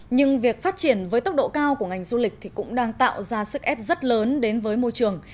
nhưng việc phát triển với tốc độ cao của ngành du lịch thì cũng đang tạo ra sức ép rất lớn đến với môi trường